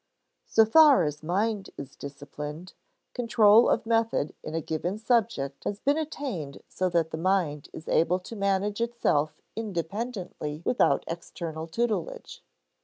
So far as a mind is disciplined, control of method in a given subject has been attained so that the mind is able to manage itself independently without external tutelage.